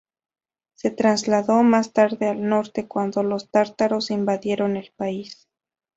Se trasladó más tarde al norte cuando los tártaros invadieron el país.